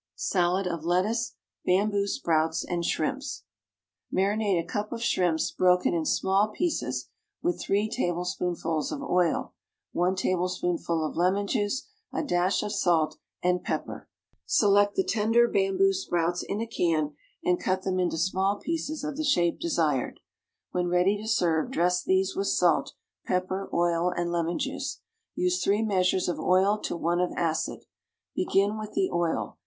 =Salad of Lettuce, Bamboo Sprouts, and Shrimps.= Marinate a cup of shrimps, broken in small pieces, with three tablespoonfuls of oil, one tablespoonful of lemon juice, a dash of salt and pepper. Select the tender bamboo sprouts in a can, and cut them into small pieces of the shape desired. When ready to serve, dress these with salt, pepper, oil, and lemon juice. Use three measures of oil to one of acid. Begin with the oil.